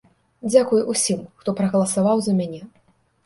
Дзякуй усім, хто прагаласаваў за мяне.